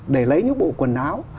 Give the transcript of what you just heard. để lấy những bộ quần áo